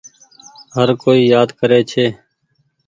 هر ڪوئي يآد ڪري ڇي۔